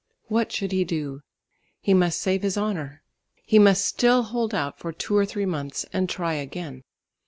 What should he do? He must save his honour. He must still hold out for two or three months and try again.